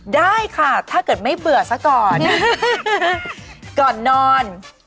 ได้ค่ะถ้าเกิดไม่เบื่อซะก่อน